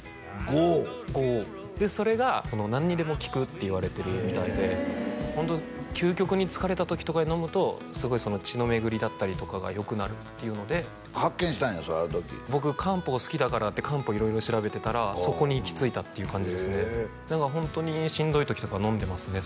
牛黄でそれが何にでも効くっていわれてるみたいでホント究極に疲れた時とかに飲むとすごい血の巡りだったりとかがよくなるっていうので発見したんやそれある時僕漢方好きだからって漢方色々調べてたらそこに行き着いたっていう感じですねだからホントにしんどい時とか飲んでますね